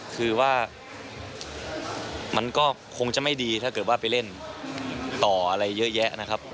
คือว่ามันก็คงจะไม่ดีถ้าเกิดว่าไปเล่นต่ออะไรเยอะแยะนะครับ